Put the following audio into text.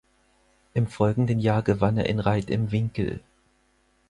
Im folgenden Jahr gewann er in Reit im Winkl.